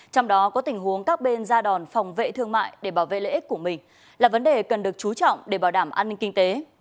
trong đó có tình huống các bên ra đòn phòng vệ thương mại để bảo vệ lợi ích của mình là vấn đề cần được chú trọng để bảo đảm an ninh kinh tế